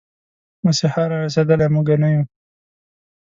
مسيحا را رسېدلی، موږه نه يو